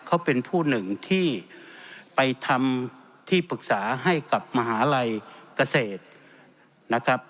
เขาเป็นผู้หนึ่งที่ไปทำที่ปรึกษาให้กับมหาลัยเกษตรนะครับ